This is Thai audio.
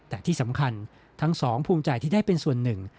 แต่ที่สำคัญทั้งสองภูมิใจที่ได้เป็นส่วนหนึ่ง